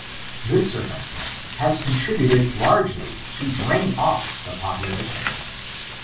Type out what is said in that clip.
This circumstance has contributed largely to drain off the population.